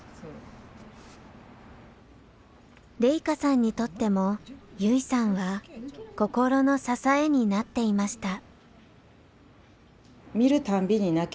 レイカさんにとっても優生さんは心のささえになっていました。